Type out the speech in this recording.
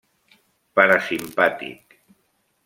Parasimpàtic: